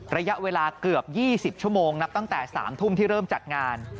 ระยะเวลาเกือบ๒๐ชั่วโมงนับตั้งแต่๓ทุ่มที่เริ่มจัดงาน